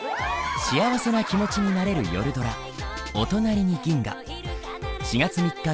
幸せな気持ちになれる夜ドラ「おとなりに銀河」。